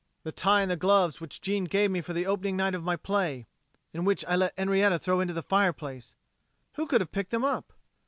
MAURICE. The tie and the gloves which Jeanne gave me for the opening night of my play, and which I let Henrietta throw into the fireplace. Who can have picked them up?